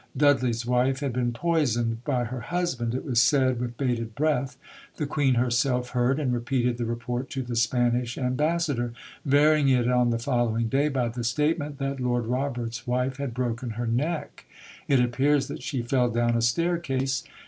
Dudley's wife had been poisoned by her husband, it was said with bated breath. The Queen herself heard, and repeated the report to the Spanish Ambassador; varying it on the following day by the statement that "Lord Robert's wife had broken her neck. It appears that she fell down a staircase."